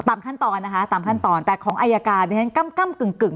ตามขั้นตอนแต่ของอัยการดังนั้นกำกำกึ่ง